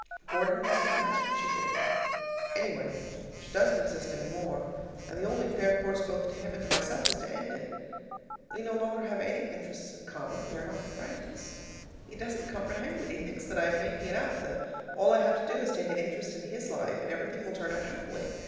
Gordon just imagined she did. Anyway, she doesn't exist any more, and the only fair course both to him and to myself was to end it. We no longer have any interests in common; we are not friends. He doesn't comprehend it; he thinks that I am making it up, that all I have to do is to take an interest in his life, and everything will turn out happily.